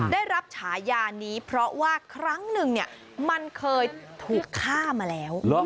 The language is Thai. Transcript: ได้รับฉายานี้เพราะว่าครั้งหนึ่งมันเคยถูกฆ่ามาแล้ว